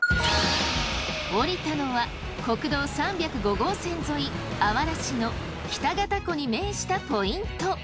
降りたのは国道３０５号線沿いあわら市の北潟湖に面したポイント。